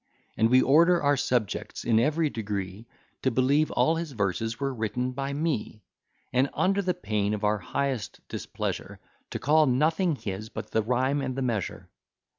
And we order our subjects of every degree To believe all his verses were written by me: And under the pain of our highest displeasure, To call nothing his but the rhyme and the measure.